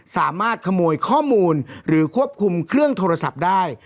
สามารถขโมยข้อมูลหรือควบคุมเครื่องโทรศัพท์ได้